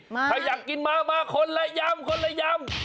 ถ้าอยากกินมามาคนละยำคนละยำ